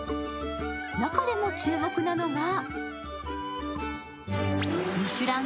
中でも注目なのが。